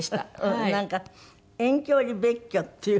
なんか遠距離別居っていう？